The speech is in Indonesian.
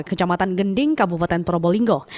kejamatan gending kabupaten probolinggo